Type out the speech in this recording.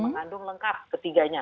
mengandung lengkap ketiganya